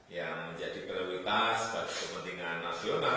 yang menjadi prioritas bagi kepentingan nasional